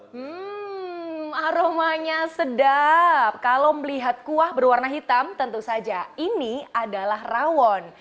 hmm aromanya sedap kalau melihat kuah berwarna hitam tentu saja ini adalah rawon